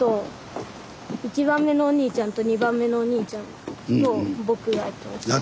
１番目のお兄ちゃんと２番目のお兄ちゃんと僕がやってます。